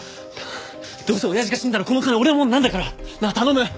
どうせおやじが死んだらこの金俺のものになるんだからなあ頼む！